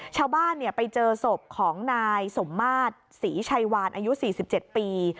ชาวบ้านไปเจอศพของนายสมมาตรศรีชัยวานอายุ๔๗ปี